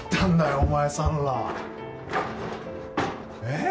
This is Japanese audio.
お前さんらえッ？